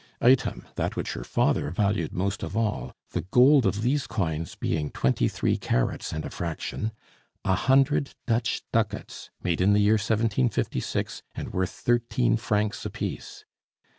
Item (that which her father valued most of all, the gold of these coins being twenty three carats and a fraction), a hundred Dutch ducats, made in the year 1756, and worth thirteen francs apiece.